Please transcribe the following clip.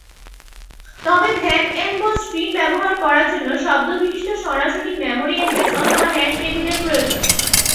তবে ভ্যান এম বস ক্রিম ব্যবহার করার জন্য শব্দ বিশিষ্ট সরাসরি মেমোরি অ্যাড্রেস অথবা হ্যাশ টেবিল এর প্রয়োজন।